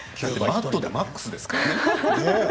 マッドでマックスですからね。